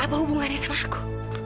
apa hubungannya sama aku